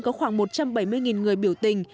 có khoảng một trăm bảy mươi người biểu tình